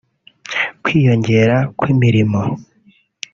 kwiyongera kw’imirimo